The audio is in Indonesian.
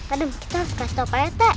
adam kita harus kasih tau pak rete